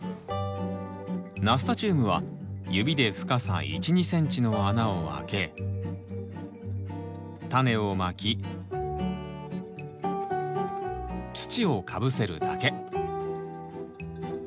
ナスタチウムは指で深さ１２ｃｍの穴をあけタネをまき土をかぶせるだけ。